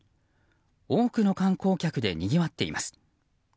多くの観光客でにぎわっています。